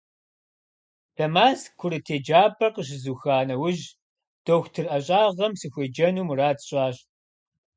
Дамаск курыт еджапӀэр къыщызуха нэужь, дохутыр ӀэщӀагъэм сыхуеджэну мурад сщӀащ.